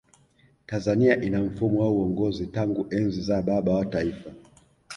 tanzania ina mfumo wa uongozi tangu enzi za baba wa taifa